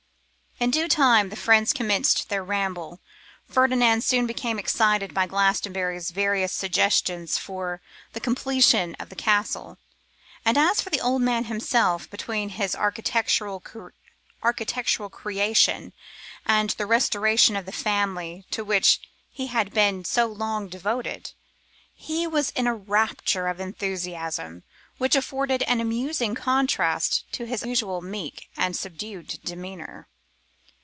In due time the friends commenced their ramble. Ferdinand soon became excited by Glastonbury's various suggestions for the completion of the castle; and as for the old man himself, between his architectural creation and the restoration of the family to which he had been so long devoted, he was in a rapture of enthusiasm, which afforded an amusing contrast to his usual meek and subdued demeanour.